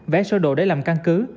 vẽ sơ đồ để làm căn cứ